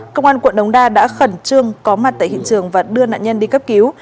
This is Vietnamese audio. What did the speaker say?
công an quận đống đa đã khẩn trương có mặt tại hiện trường và đưa nạn nhân đi cấp cứu